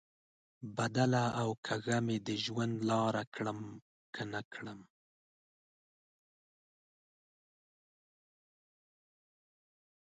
بدله او کږه مې د ژوند لار کړمه، که نه کړم؟